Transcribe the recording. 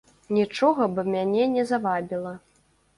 Нічога б мяне не завабіла.